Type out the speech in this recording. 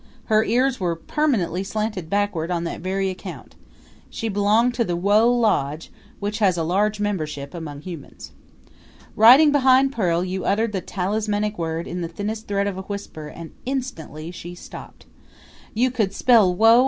Her ears were permanently slanted backward on that very account. She belonged to the Whoa Lodge, which has a large membership among humans. Riding behind Pearl you uttered the talismanic word in the thinnest thread of a whisper and instantly she stopped. You could spell Whoa!